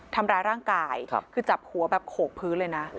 ทำร้ายร่างกายคือจับหัวแบบโขกพื้นเลยนะ